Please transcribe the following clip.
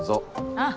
あっ